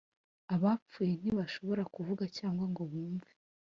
Abapfuye ntibashobora kuvuga cyangwa ngo bumve